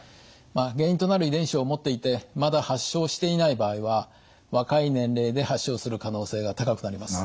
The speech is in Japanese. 原因となる遺伝子を持っていてまだ発症していない場合は若い年齢で発症する可能性が高くなります。